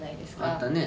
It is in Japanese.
あったね。